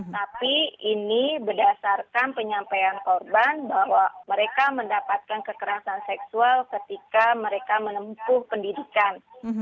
tapi ini berdasarkan penyampaian korban bahwa mereka mendapatkan kekerasan seksual ketika mereka menempuh pendidikan